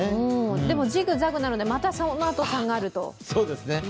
でもジグザグなので、そのあとまた下がると。